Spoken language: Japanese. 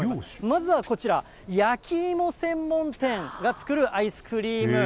まずはこちら、焼き芋専門店が作るアイスクリーム。